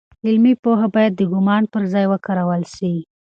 علمي پوهه باید د ګومان پر ځای وکارول سي.